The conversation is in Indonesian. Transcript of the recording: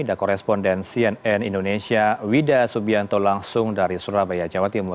ada koresponden cnn indonesia wida subianto langsung dari surabaya jawa timur